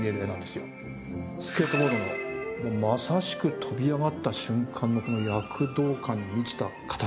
スケートボードのまさしく跳び上がった瞬間のこの躍動感に満ちた形。